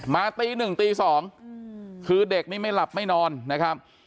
ตีหนึ่งตี๒คือเด็กนี้ไม่หลับไม่นอนนะครับ